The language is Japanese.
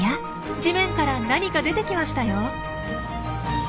地面から何か出てきましたよ。